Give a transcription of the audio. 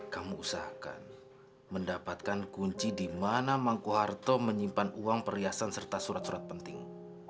kamu usahakan mendapatkan kunci di mana mangkuharto menyimpan uang perhiasan serta surat surat penting